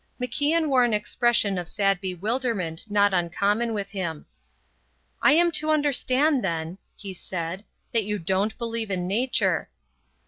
MacIan wore an expression of sad bewilderment not uncommon with him. "I am to understand, then," he said, "that you don't believe in nature."